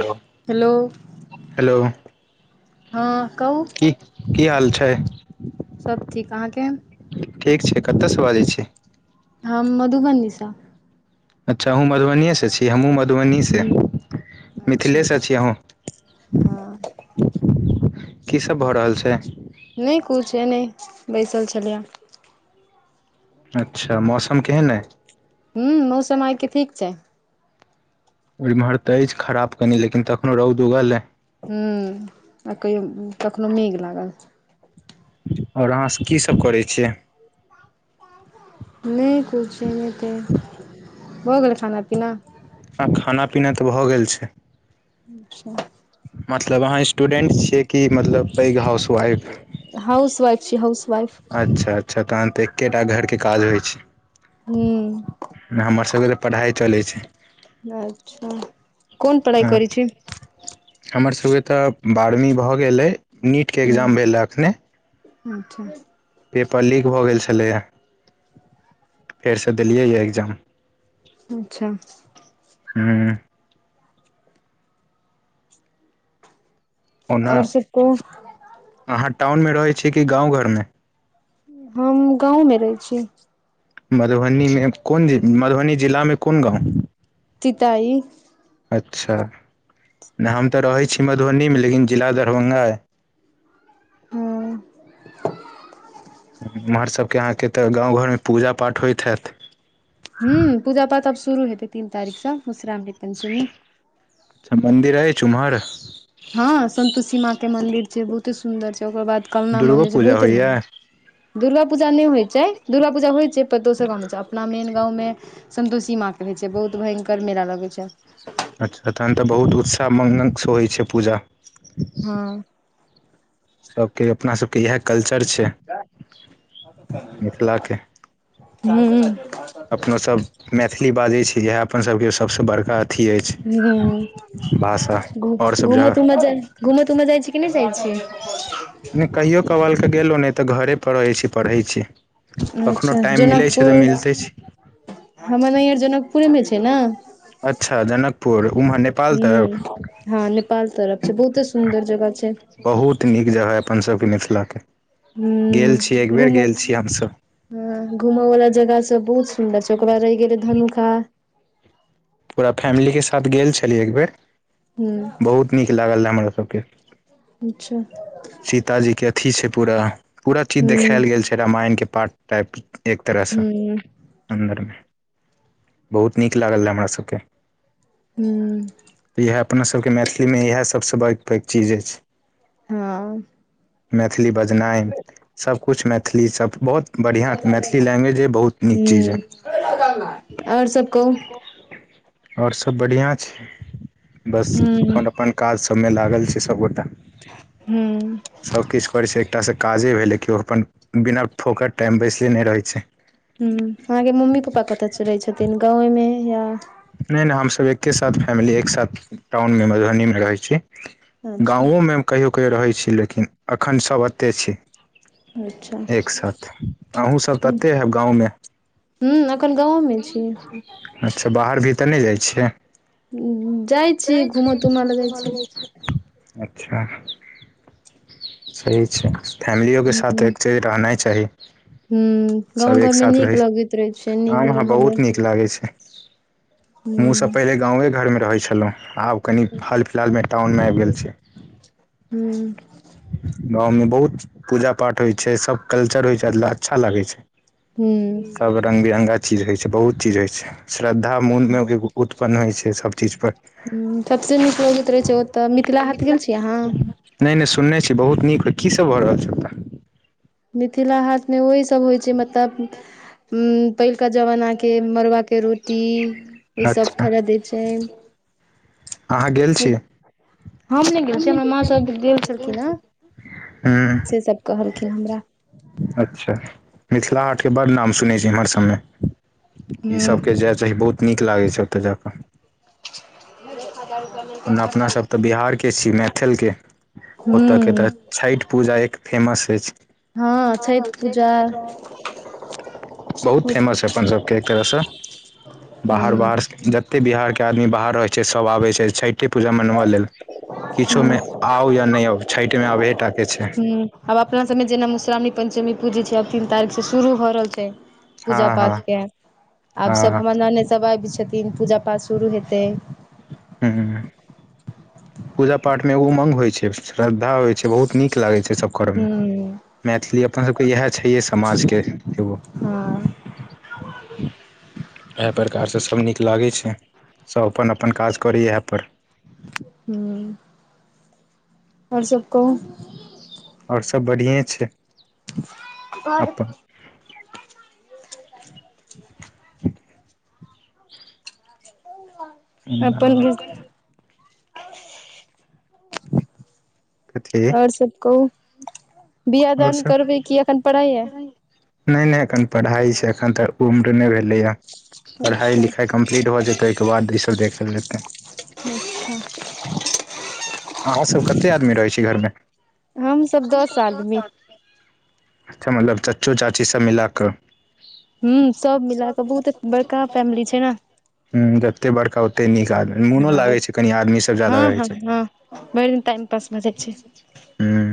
[unintelligible] Hello hello हँ कहूं की की हाल छै सभ ठीक अहाँके ठीक छै कतअ सँ बाजै छी हम मधुबनी सँ अच्छा आहू मधुबनीए से छी जी हमहूँ मधुबनी सँ ह्म अच्छा मिथिले सँ छी अहु हँ की सब भऽ रहल छै नय कुछ अनहि बैसल छलियए अच्छा मौसम केहन अइछ हूँ मौसम आइ के ठीक छै इम्हर तऽ अछि खराब कनि लेकिन तखनो रौद उगल हइ ह्मँ आ कहियो कखनोहु मेघ लागल ओर अहाँ सभ की सभ करै छियै नय किछु एनहितै भऽ गेलै खाना पीना आ खाना पीना तऽ भऽ गेल छै अच्छा मतलब अहाँ स्टूडेंट छियै कि मतलब पैघ हाउस वाइफ हाउस वाइफ छी हाउस वाइफ अच्छा अच्छा तहन तऽ एकेटा घर के काज होइ छै ह्म हमर सबके तऽ पढ़ाइ चलै छै अच्छा कोन पढ़ाइ हँ करय छी हमर सबके तऽ बारहवीं भऽ गेलयै नीट के ह्म एग्जाम भेलै अखने अच्छा पेपर लीक भऽ गेल छलैया फेरसँ देलियै या एग्जाम अच्छा हूँ ओना आओर सब कहू अहाँ टाउन मे रहै छीयै कि गाँव घरमे हम गाँवमे रहै छीयै मधुबनीमे कोन मधुबनी जिलामे कोन गाँव तिताइ अच्छा नै हम तऽ रहै छी मधुबनीमे लेकिन जिला दरभंगा अइ हूँ एम्हर सबके अहाँके तऽ गाँव घरमे पूजा पाठ होइत हैत हूँ पूजा पाठ आब शुरू हेतै तीन तारीखसँ मधुश्रामनी पंचमी अच्छा मन्दिर अइछ उम्हर हँ संन्तोसि मां के मंदिर छै बहुते सुन्दर छै ओकर बाद कलना दुर्गो मंदिर छै पूजा बहुते होइए मन्दिर दुर्गा पूजा नै होइ छै दुर्गा पूजा होइ छै दोसर गाँवमे छै अपना मेन गाँवमे सन्तोषी माँके होई छै बहुत भयंकर मेला लगै छै अच्छा तहन तऽ बहुत उत्साह मागंसँ होइ छै पूजा हँ सबके अपना सब ती इएह कल्चर छै मिथिलाके ह अपनोसब मैथिली बाजै छी इएह अपनसबके सबसँ बड़का अथी अछि हूँ भाषा घू आओर सब घूम जगह तूम जाय घूमऽ तूमऽ जाइ छी कि नै जाइ छी नै कहियो कबाल क गेलौं नै तऽ घरे पर रहै छी पढ़ै छी कखनो अच्छा टाइम मिलै छै तऽ जनकपुर मिलते छी हमर नैहर जनकपुरे मे छै ने अच्छा जनकपुर उम्हर ने हूँ हँ नेपाल तरफ छै बहुते सुन्दर जगह छै बहुत नीक जगह अइ अपनसबके मिथिलाके हूँ घूमु हमसब हँ घूमय वाला जगह सब बहुत सुन्दर छै ओकर बाद रहि गेलै धनुखा पूरा फैमिलीके साथ गेल छलियै एक बेेर हूं बहुत नीक लागल रहए हमरा सबके अच्छा सीताजीके अथि छै पूरा पूरा चीज हूं देखायल गेल छै रामायणके पाठ टाइप एक तरहसँ हूं अन्दरमे बहुत नीक लागल रहए हमरा सब ओके हूँ तऽ इएह अपनासबके मैथिलीमे इएह सबसँ बड़ पैघ चीज अछि हँ मैथिली बजनाइ सबकुछु मैथिली सब बहुत बढ़िआँ मैथिली हूं लैंग्वेजे बहुत नीक चीज अई आओर सब कहू आओर सब बढ़िआँ छै बस हूं अपन अपन काज सबमे लागल छै। सबगोटा। हूँ सभकिछु करैत छै एकटा सँ काजे भेलै केओ अपन बिना फोकोकर टाइम बैसले नय रहैत छै। ह अहाँ के मम्मी पप्पा कतय रह छथिन गावे मे या नय नय हमसभ एके साथ फैमिली एक साथ टाउन मे मधुबनी मे रहैत छी। अच्छा गामो मे हम कहियो कहियो रहै छी। लेकिन एखन सभ एतेक छै। अच्छा एक साथ अहूँ सब तते हयब गाँव मे हू एखन गाँवो मे छी अच्छा बाहर भीतर नय जाइ छियै जाइ छी घुम तुमाला जाइ छी अच्छा सही छै फैमिलियो के साथ हूं एक चज रहनाइ चाही हूं सब गाँव एक घरमे सााथ नीक रहै लगैत रहै छै नीक ह ह रहऽमे बहुत नीक लागै छै। हमहूँ सभ हूं पहिले गाँवे घर मे रहैत छलहुँ आब कनि हाल फिलहाल मे टाउन मे आबि गेल छी। हू। गाँव मे बहुत पूजा पाठ होइत छै। सभ कल्चर होइ छै। अच्छा लागैत छै। हू। सब रंग बिरङ्गा चीज होइ छै। बहुत चीज होइ छै। श्रद्धा मोन मे उत्पन्न होइ छै। सभचीज परर सभसँ नीक लोक गीत रहैत छै। ओ तऽ मिथिला हाथ गेल छीयै अहाँ। नय नय सुनने छियै। बहुत नीक कीसभ भऽ रहल छै ओत्ता मिथिला हाट मे ओहीसभ होइ छै मतलब पहिलुका जमाना के मड़आ के रोटी ईसभ अच्छा खाया दै छै। अहाँ गेल छीै। हम नय गेल छीयै। हमर माँ सभ गेल छलखिन ह हूँ से सब कहलखिन हमरा। अच्छा मिथिला हाट के बड़ नाम सुनैत छ। एम्हर सभ मे हूं ईसभके जाय चाही बहुत नीक लागै छै। ओतय जा कऽ [unintelligible] [unintelligible] ओना अपना सभ तऽ बिहार के छी। मैथिल के ओतय के हूं तऽ छठि पूजा एक फेमस अछि। हँ छठ पूजा बहुत हूं फेमस हइ अपन सभके एक तरह सँ बाहर बाहर जत ते बिहार के आदमी बाहर रहै छै। सब आब छै छठि छठे पूजा मनबा लेल किछो हूं में आउ या नय आउ छठि में अबहे टा केे छै। हूं आब अपना सभमे जेना मधुश्रावणी पञ्चमी पूजी छै। आब तीन तारीख सँ शुरू भऽ रहल छै। हँ पूजा हँ पाठ के आब सभ हँ हमर नानेद सभ आबि छथिन। पूजा पाठ शुरू हेतै। हू पूजा पाठ मे एग उमंग होय छै। श्रद्धा होय छै। से बहुत नीक लागै छै। सब कर मे हूं मैथिली अपन सबके इएह छैहे समाज के एगो। हँ इएह प्रकार सँ सभ नीक लागै छै। सभ अपन अपन काज करैए इएहप। हू। ओर सब कहु ओर सब बढ़िए छै। आर। अपन [inaudible] अपन ब कथी आऔर सब कहू बिआ आओर दान सब करबै की एखन पढ़ैय यै नहि नहि एखन पढ़ाइछै एखन तऽ उम्र नहि भेलैए। पढ़ाइ अच्छा लिखाइ कम्प्लीट भ जेतै। ओहिके बाद ईसभ देखल जेतै। [unintelligible] अहु सब कते आदमी रहै छी घर मे हमसब दस आदमी अच्छा मतलब चाचो चाचीसभ मिला कऽ। ह सब मिलाके बहुत बड़का फैमिली छैय ने। ह जतेक बड़का ओतेक नीक आदमी मोनो हँ लागैत छैय कनि आदमीसभ ज्यादा हँ रहैत हँ छैय त हँ टाइम दस बजे के छैय ह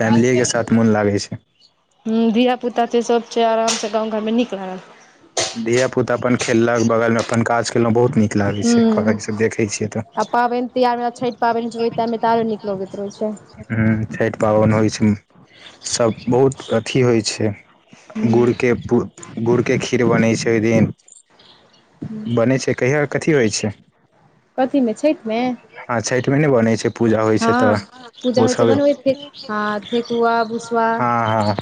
फैमिलीए के साथ मोन लागै छै हूँ धिया पुता छैय सब से आराम स गाँव घर मे नीक लागत धिया -पुता अपन खेललक बगल मे अपन काज केलौ बहुत नीक लागै हुं छैय इ सब देखै छियै तऽ पाबैन जे ओय टाइमे आरो नीकलोगैत रहै छय हूँ छैठ पाबैन होय छैय सब बहुत अथि होय छैय गुड़के खीर बनै छै ओय दिन बनै छैय कहिया कथी होय छैय कथी मे छठि मे? ह छैठ मे नेै बनै छैय पूजा होय छैय हँ तऽ पूजा ओ होइ छै सब बनबै छै हँ ठेकुआ ठकुआ भुसवा ह ह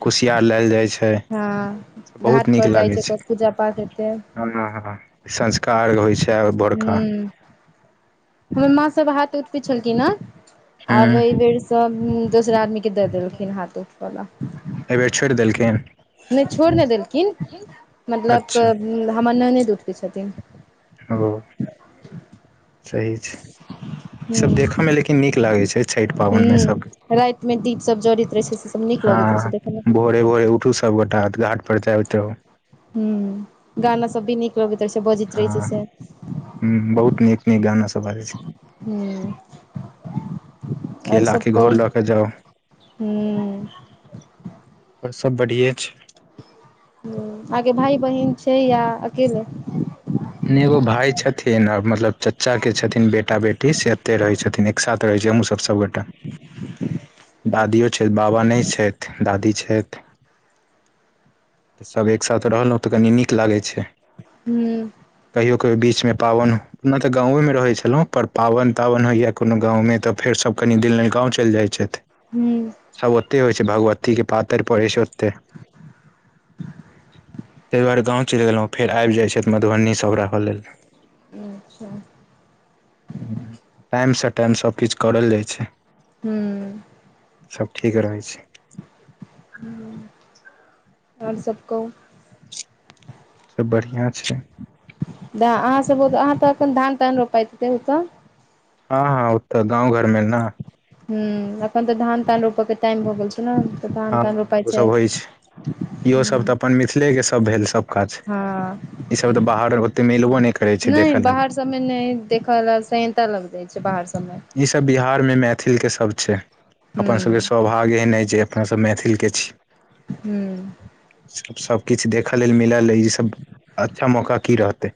कुसियार लेैल जाय छैय ह घाट पर जाय छै त पूजा पाठ हेतै ह हा संझका अरक होय छैय और भोरका हुं। हमर माँ सब हाथ उठबै छेलखिन ह न हूँ आब एैय बेर सब दोसरा आदमी के द देलखिन हाथ उठब लऽ एयबेर छोईर देलखिन नैय छोइड़ नैय देलखिन अच्छा मतलब हमर ननैद उठबै छथिन हेलो सही छैय इ सब हुं। देखै में लेकिन नीक लागै छैयछठि पाबैन मे सब रैत मे दीप सब जड़ैत रहै छैय से सब नीक हँ लगैत रहै छैयदेखैमे भोरे -भोरे उठू सब गोटा तऽ घाट पर जायजाहु हू गाना सब भी नीक लगैत रहै छैय बजैत रहै छै से हूँ बहुत नीक -नीक गाना सब बाजै छै हूँ केला के घौर कहू लऽ के जाउ हूं और सब बढ़िेये छैय हूँ आगे भाय बहिन छै या अकेले नै एगो भाय छथिन आ मतलब चाचा के छथिन बेटा- बेटी से एते रहै छथिन साथ रहै छी हमहूँ सब सबगोटे हूं दादियो छैयथ बाबा नैय छैथ दादी छैथ सब एकसाथ रहलौ त कनी नीक लागै छैय हूँ कहियो -कहियो बीच मे पाबैन ओना तऽ गाँव मे रहैय छेलौ पर पाबैन तावैन होयया कोनो गाँव मे त फेर सब कनि दिन लए गाँव चैल जाय छैथ हूं सब ओतेैय होय छैय भगवती के पातैर परै छै ओतेैय तैह दुआरे गाँव चैल गेलौ फेर आइब जाय छैथ मधुबनी सब रहऽ लेल अच्छा टाइम स टाइम सब किछ करल जाय छै हूँ सब ठीक रहै छै हूँ और सब कहु सब बढ़िआँ छै। त अहाँ सबक अहाँ तऽखन धान तान रोपााय छै हो त ओत हँ हँ ओ तऽ गाँव घर मे न ह एखन तऽ धान तान रोपय के टाइम हो गेल छै ने तऽ धान हँ तान रोपाय ओ छै। सब होइ इहो हूं सब तऽ अपन मिथिले के सब भेल सब आछि हँ ईसभ तऽ बाहर ओतेक मिलबो नय करै छै देखै लेल सब मे नेैय देख लए सेह्नता लैग जाय छै बाहर सब मे इ सब बिहार मे मैथिल के सब छै अपन सब के हूँ स आय एहन आ जे अपना सब मैथिल के छी हूँ सब किछु देखअ लेल मिलल ई सब अच्छा मौका की रहतै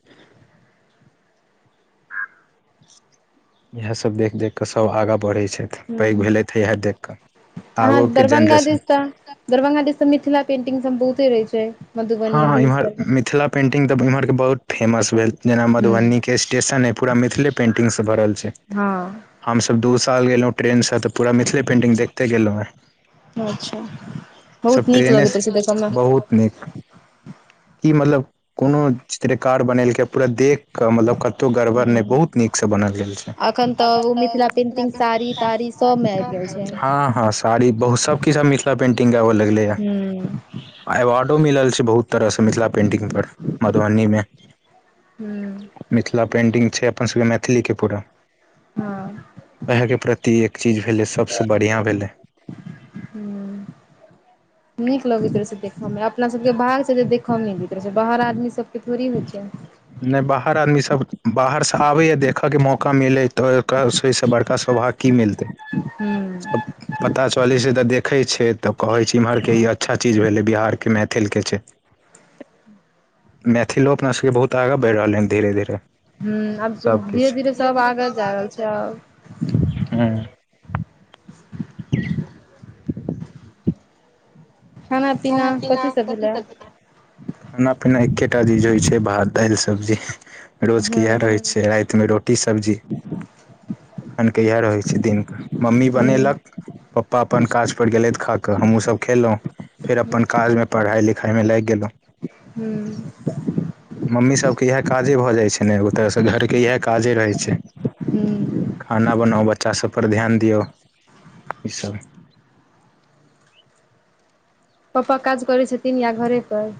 इयेह सब देख- देख कऽ सब आगा बढ़ै छैथ पैघ हूँ भेलैथ इयेह देख कऽ अहाँ आबो के दरभंगा जेनरेशन दिस तऽ दरभंगा दिस त मिथिला पेंटिंग सब बहुते रहय छै। हँ मधुबनी हाॅं दिस इम्हर दरभं मिथिला पेंटिंग तऽ इम्हर के बहुत फेमस भेल। जेना मधुबनी के हूँ स्टेशन अइ पूरा मिथिले पेन्टिंग सँ भरल छै। हँ हमसभ दू साल गेलहुँ ट्रेन सँ तऽ पूरा मिथिले पेन्टिंग देखते गेलहुँ हँ। अच्छा सब बहुत नीक ट्रेने लगैत रहै छै देखऽ से मे बहुत नीक की मतलब कोनो चित्रकार बनेलकै पूरा देख कऽ मतलब कत्तौ गड़बड़ नय हूँ बहुत नीक से बनल गेल छै। अखन [unintelligible] तऽ ओ मिथिला पेंटिंग साड़ी ताड़ी सबमे आबि गेल छै [unintelligible] हँ हँ साड़ी बहुत सब किछु आब मिथिला पेन्टिंग आबऽ लगलै ये। आ हूँ अवार्डो मिलल छै बहुत तरह सँ मिथिला पेंटिंग पर मधुबनी मे हू मिथिला पेन्टिंग छै अपन सभ के मैथिली के पूरा। हँ उएहके प्रति एक चीज भेलै सभ से बढ़िआँ भेलै। हु नीक लगैत रहै छै देखऽमे अपना सबके बाहरसँ जे देखऽमे नहि लैत रहै छै बाहर आदमी सबके थोड़ी होइत छै। नहि बाहर आदमी सभ बाहर सँ आबैए देखयके मौका मिलै तऽ ओहि सँ बड़का सौभाग्य की मिलतै। हु [inaudible] पता चलै छै तऽ देखैत छै तऽ कहैत छै एम्हर के ई अच्छा चीज भेलै बिहार के मैथिल के छै। [inaudible] मैथिलो अपना सबके बहुत आगा बैढ़ रहलै हन धीरे धीरे हूं आब सब धीरे किछ धीरे सब आगाँ जा रहल छै आब हुं। खाना पीना कथी कथि हतै। खाना पीना एकेटा चीज होइ छैय भात दालि सब्जी। रोज के हूं इएह रहैत छैय राति मे रोटी सब्जी। एखन के इएह रहै छैय कदिनके मम्मी हूं बनेलक पप्पा अपन काज पर गेलथि खाकऽ हमहूँसभ खेलहुँ। फेर अपन काजमे पढ़ाई लिखाईमे लागि गेलहुँ। हूँ [unintelligible] मम्मीसभके इएह काजे भऽ जाइत छै ने ओ तऽसँ घरके इएह काजे रहै छै। हुं खाना बनाउ बच्चा सबपर ध्यान दिऔ ईसब पप्पा काज करै छथिन या घरे पर।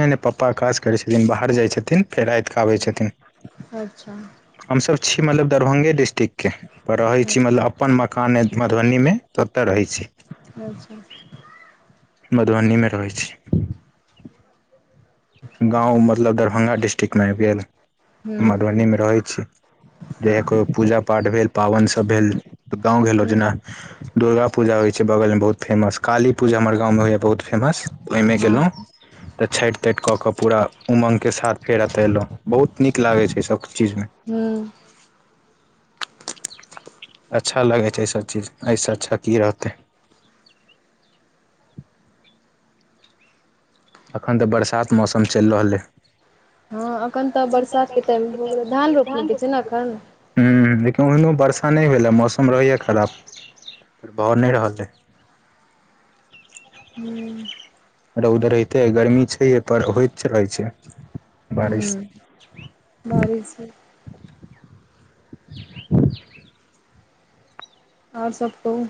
नहि नहि पप्पा काज करै छथिन बाहर जाय छथिन फेर रातिकेँ आबै छथिन। अच्छा हमसभ छी मतलब दरभंगे डिस्टिक्ट के रहै छी मतलब अपन मकान ऐय मधुबनीमे तऽ ओतऽ रहै छी। अच्छा मधुबन्नी मे रहैत छी। गाँव मतलब दरभंगा डिस्ट्रिक्टमे आबि गेल हूं मधुबनीमे रहैत छी जौकोनोपूजा पाठ भेल पाबैनि सब भेल त गाँंव गेलो जेना हँ दुर्गा पूजा होइ छै बगलमे बहुत फेमस काली पूजा हमर गाँवमे होइए बहुत फेमस ओहिमे हूं गेलेलहुँ तऽ छठि तठि कऽ के क पूरा उमंगके साथ फेर एतऽ एलहुँ बहुत नीक लागैतछै सब चीजमे। हू अच्छा लगै छै एहिसब चीज एहिसे अच्छा की रहतै। एखन तऽ बरसात मौसम चलि रहलैइ। हँ एखन तऽ बरसातके टाइम भ गेलै धान रोपैनी के छै ने एखन। ह लेकिन ओहिनो वर्षा नहि भेलैए मौसम रहैएा खराबे भ नहि रहल अछि हूँ रौदरते गरमी छैहे पर होइत रहै छैय हूं बारिश बारिश आओर सब कहु